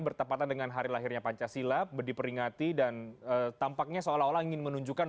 bertepatan dengan hari lahirnya pancasila diperingati dan tampaknya seolah olah ingin menunjukkan